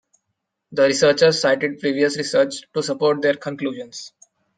The researchers cited previous research to support their conclusions.